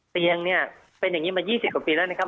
เตียงเนี่ยเป็นอย่างนี้มา๒๐กว่าปีแล้วนะครับ